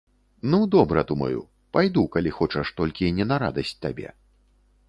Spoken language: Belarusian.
Ну, добра, думаю, пайду, калі хочаш, толькі не на радасць табе.